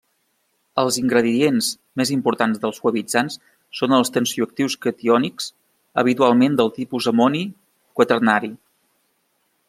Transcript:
Els ingredients més importants dels suavitzants són els tensioactius catiònics, habitualment del tipus amoni quaternari.